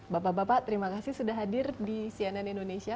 bapak bapak terima kasih sudah hadir di cnn indonesia